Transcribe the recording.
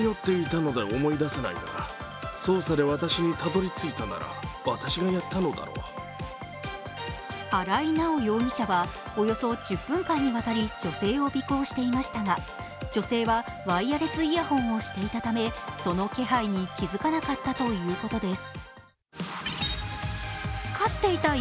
取り調べに対し荒井直容疑者はおよそ１０分間にわたり女性を尾行していましたが女性はワイヤレスイヤホンをしていたため、その気配に気づかなかったということです。